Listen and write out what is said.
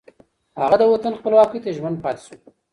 هغه د وطن خپلواکۍ ته ژمن پاتې شو